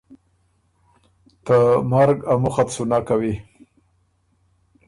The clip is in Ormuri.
ته مرګ ا مخه ت سُو نک کوی۔